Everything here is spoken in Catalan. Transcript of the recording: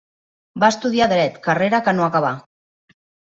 Va estudiar Dret, carrera que no acabà.